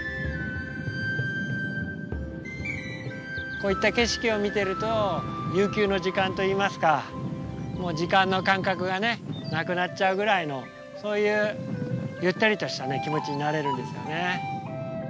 こういった景色を見てると悠久の時間といいますかもう時間の感覚がねなくなっちゃうぐらいのそういうゆったりとした気持ちになれるんですよね。